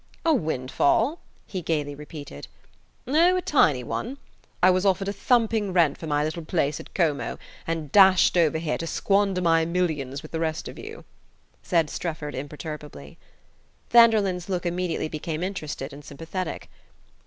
"A windfall?" he gaily repeated. "Oh, a tiny one: I was offered a thumping rent for my little place at Como, and dashed over here to squander my millions with the rest of you," said Strefford imperturbably. Vanderlyn's look immediately became interested and sympathetic.